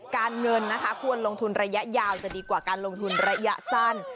การเงินนะคะควรลงทุนระยะยาวจะดีกว่าการลงทุนระยะสั้น